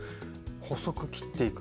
細く切っていく。